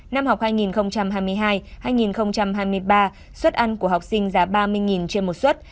năm học hai nghìn hai mươi hai hai nghìn hai mươi ba suất ăn của học sinh giá ba mươi trên một suất